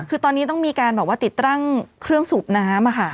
คือตอนนี้ต้องมีการแบบว่าติดตั้งเครื่องสูบน้ำ